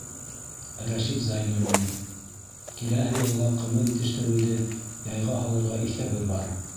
Рәшит ЗӘЙНУЛЛИН Киләһе йылға ҡымыҙ етештереүҙе яйға һалырға иҫәбе бар.